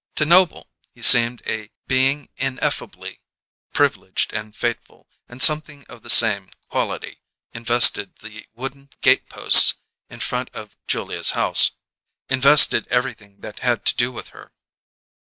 To Noble he seemed a being ineffably privileged and fateful, and something of the same quality invested the wooden gateposts in front of Julia's house; invested everything that had to do with her.